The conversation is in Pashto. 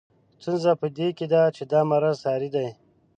ستونزه په دې کې ده چې دا مرض ساري دی.